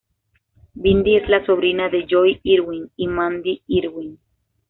Bindi es la sobrina de Joy Irwin y Mandy Irwin.